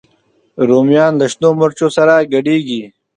رومیان له شنو مرچو سره ګډېږي